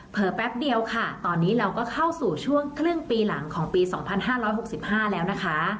เผลอแป๊บเดียวค่ะตอนนี้เราก็เข้าสู่ช่วงครึ่งปีหลังของปีสองพันห้าร้อยหกสิบห้าแล้วนะคะ